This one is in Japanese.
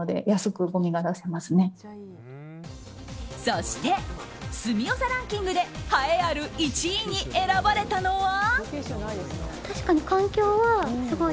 そして住みよさランキングで栄えある１位に選ばれたのは。